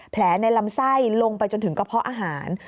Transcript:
ในลำไส้ลงไปจนถึงกระเพาะอาหาร